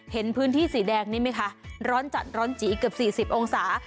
เห็นพื้นที่สีแดงนี่ไหมคะร้อนจัดร้อนจีอีกเกือบ๔๐องศา